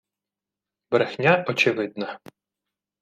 Брехня очевидна